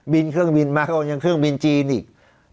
บินเครื่องบินมาก็ยังเครื่องบินจีนอีก